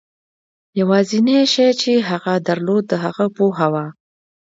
یوازېنی شی چې هغه درلود د هغه پوهه وه.